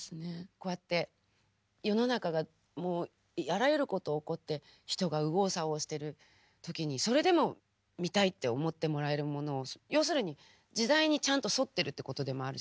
こうやって世の中がもうあらゆること起こって人が右往左往している時にそれでも見たいって思ってもらえるものを要するに時代にちゃんと沿ってるってことでもあるじゃない？